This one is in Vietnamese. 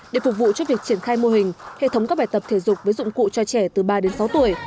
để phục vụ cho việc triển khai mô hình hệ thống các bài tập thể dục với dụng cụ cho trẻ từ ba đến sáu tuổi